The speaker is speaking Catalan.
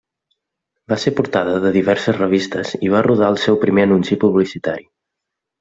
Va ser portada de diverses revistes i va rodar el seu primer anunci publicitari.